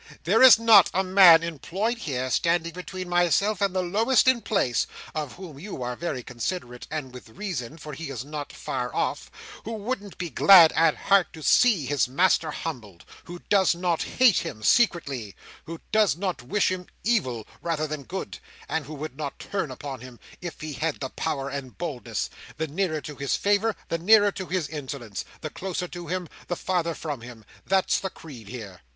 There is not a man employed here, standing between myself and the lowest in place (of whom you are very considerate, and with reason, for he is not far off), who wouldn't be glad at heart to see his master humbled: who does not hate him, secretly: who does not wish him evil rather than good: and who would not turn upon him, if he had the power and boldness. The nearer to his favour, the nearer to his insolence; the closer to him, the farther from him. That's the creed here!"